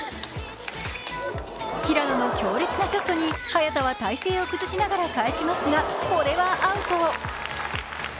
平野の強烈なショットに早田は体勢を崩しながら返しますがこれはアウト。